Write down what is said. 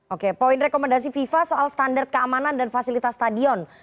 oke poin rekomendasi fifa soal standar keamanan dan fasilitas stadion